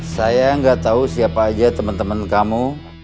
saya gak tahu siapa aja temen temen kamu